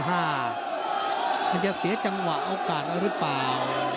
มันจะเสียจังหวะโอกาสอะไรหรือเปล่า